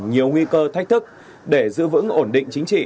nhiều nguy cơ thách thức để giữ vững ổn định chính trị